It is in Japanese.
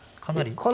かなり。